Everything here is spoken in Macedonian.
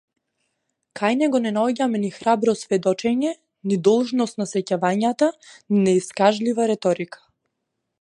Кај него не наоѓаме ни храбро сведочење, ни должност на сеќавањата, ни неискажлива реторика.